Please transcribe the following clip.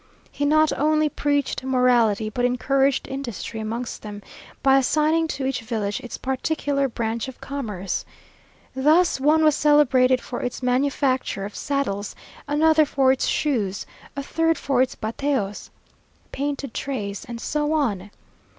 He not only preached morality, but encouraged industry amongst them, by assigning to each village its particular branch of commerce. Thus one was celebrated for its manufacture of saddles, another for its shoes, a third for its bateos (painted trays), and so on.